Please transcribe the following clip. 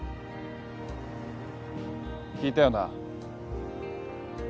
聞いたよな？